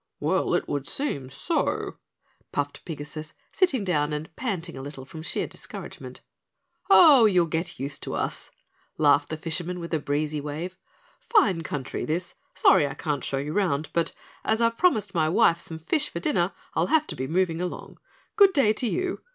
"Well, it would seem so," puffed Pigasus, sitting down and panting a little from sheer discouragement. "Oh, you'll get used to us," laughed the fisherman with a breezy wave. "Fine country, this; sorry I can't show you 'round, but as I've promised my wife some fish for dinner, I'll have to be moving along. Good day to you.